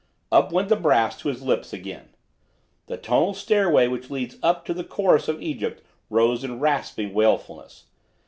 Up went the brass to his lips again. The tonal stairway which leads up to the chorus of Egypt rose in rasping wailfulness.